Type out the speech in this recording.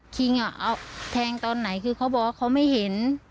คิงเอาแทงตอนไหนคือเขาบอกว่าเขาไม่เห็น